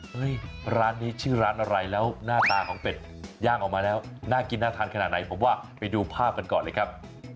ร้านนี้ชื่อร้านอะไรแล้วหน้าตาของเป็ดย่างออกมาแล้วน่ากินน่าทานขนาดไหนผมว่าไปดูภาพกันก่อนเลยครับ